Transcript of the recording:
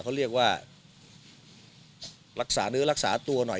เขาเรียกว่ารักษาเนื้อรักษาตัวหน่อย